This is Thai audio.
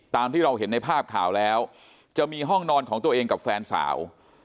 ตามที่เราเห็นในภาพข่าวแล้วจะมีห้องนอนของตัวเองกับแฟนสาว